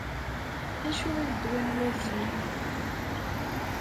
D acu i d ddwa n wazi?